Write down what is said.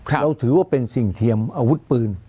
เราถือว่าเป็นสิ่งเทียมอาวุธปืน